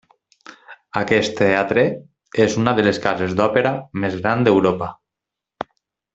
Aquest teatre és una de les cases d'òpera més grans d'Europa.